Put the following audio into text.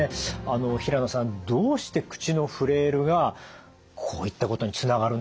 あの平野さんどうして口のフレイルがこういったことにつながるんですか？